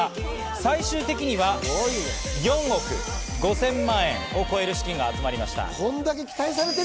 最終的には４億５０００万円を超える資金が集まりました。